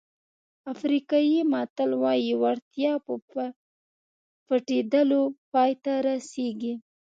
افریقایي متل وایي وړتیا په پټېدلو پای ته رسېږي.